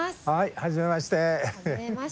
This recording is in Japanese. はじめまして。